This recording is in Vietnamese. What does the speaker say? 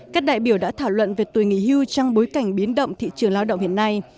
các đại biểu đã thảo luận về tuổi nghỉ hưu trong bối cảnh biến động thị trường lao động hiện nay